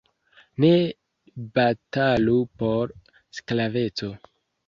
Ne batalu por sklaveco!